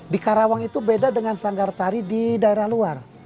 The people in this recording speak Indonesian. di karawang itu beda dengan sanggar tari di daerah luar